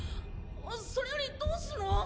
それよりどうするの？